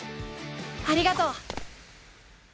ありがとう！